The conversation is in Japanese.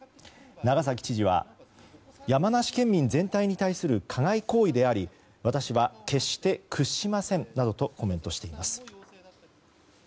長崎知事は山梨県民全体に対する加害行為であり私は決して屈しませんなどとコメントしています。